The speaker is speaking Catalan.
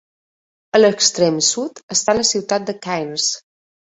A l'extrem sud està la ciutat de Cairns.